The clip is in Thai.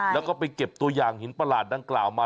แล้วก็ไปเก็บตัวอย่างหินประหลาดดังกล่าวมา